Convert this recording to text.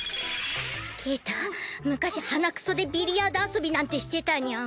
ケータ昔鼻くそでビリヤード遊びなんてしてたニャン？